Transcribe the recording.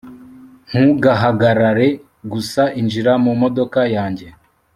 ntugahagarare gusa. injira mu modoka yanjye